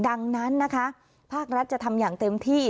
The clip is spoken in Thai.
ดังนั้นนะคะภาครัฐจะทำอย่างเต็มที่